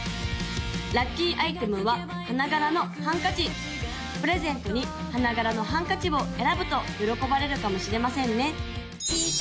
・ラッキーアイテムは花柄のハンカチプレゼントに花柄のハンカチを選ぶと喜ばれるかもしれませんね